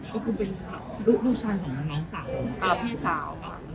รูปชายของน้องสาว